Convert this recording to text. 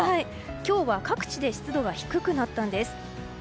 今日は各地で低くなったんです。